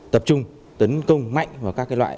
tập trung tấn công mạnh vào các loại